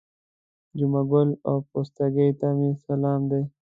جمعه ګل او پستکي ته مې سلام دی.